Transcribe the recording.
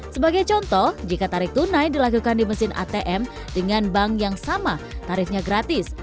sebagai contoh jika tarik tunai dilakukan di mesin atm dengan bank yang sama tarifnya gratis